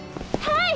はい！